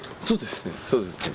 そうですね。